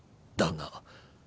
だが。